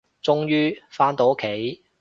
終於，返到屋企